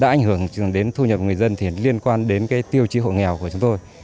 đã ảnh hưởng đến thu nhập của người dân thì liên quan đến tiêu chí hộ nghèo của chúng tôi